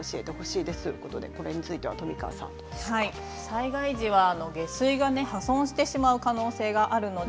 災害時は下水が破損してしまう可能性があります。